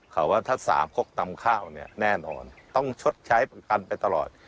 เขาว่าถ้าสามคกตำข้าวเนี่ยแน่นอนต้องชดใช้ประกันไปตลอด